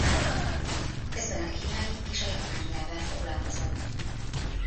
Közben a kínai és a japán nyelvvel foglalkozott.